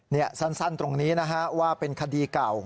นี่สั้นตรงนี้นะฮะว่าเป็นคดีเก่า